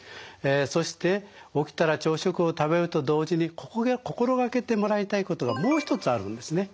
そして起きたら朝食を食べると同時に心掛けてもらいたいことがもう一つあるんですね。